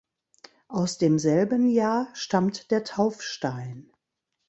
Aus demselben Jahr stammt der Taufstein.